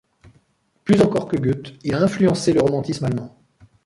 Plus encore que Goethe, il a influencé le romantisme allemand.